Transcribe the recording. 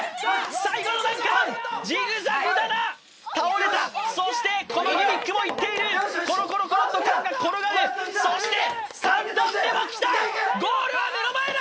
最後の難関ジグザグ棚倒れたそしてこのギミックもいっているコロコロコロッと缶が転がるそして３段目もきたゴールは目の前だ！